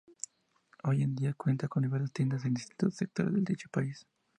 Hoy en día cuenta con diversas tiendas en distintos sectores de dicho país.